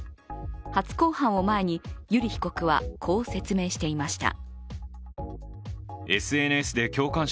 初公判を前に油利被告はこう説明していました。